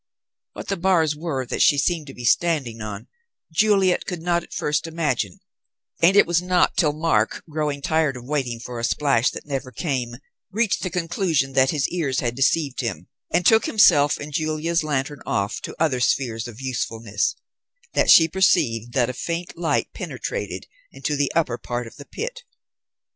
What the bars were that she seemed to be standing on, Juliet could not at first imagine, and it was not till Mark, growing tired of waiting for a splash that never came, reached the conclusion that his ears had deceived him, and took himself and Julia's lantern off to other spheres of usefulness, that she perceived that a faint light penetrated into the upper part of the pit.